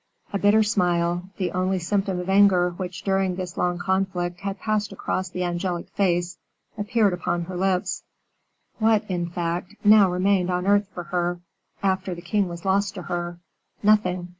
A bitter smile, the only symptom of anger which during this long conflict had passed across the angelic face, appeared upon her lips. What, in fact, now remained on earth for her, after the king was lost to her? Nothing.